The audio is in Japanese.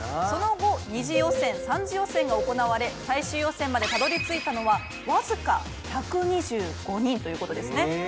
その後２次予選３次予選が行われ最終予選までたどり着いたのはわずか１２５人ということですね。